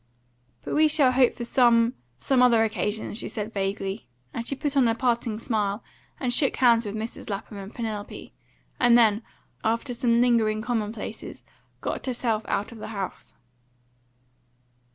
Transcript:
"But we shall hope for some some other occasion," she said vaguely, and she put on a parting smile, and shook hands with Mrs. Lapham and Penelope, and then, after some lingering commonplaces, got herself out of the house.